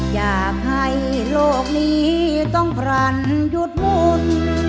อยากให้โลกนี้ต้องพรรณหยุดมุน